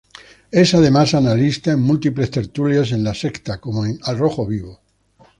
Es, además, analista en múltiples tertulias en la Sexta, como en "Al rojo vivo".